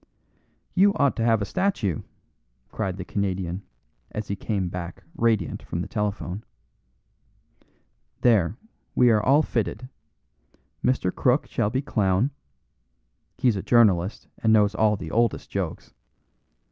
"You ought to have a statue," cried the Canadian, as he came back, radiant, from the telephone. "There, we are all fitted. Mr. Crook shall be clown; he's a journalist and knows all the oldest jokes.